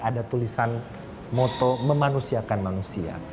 ada tulisan moto memanusiakan manusia